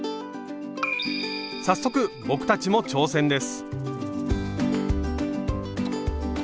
早速僕たちも挑戦です！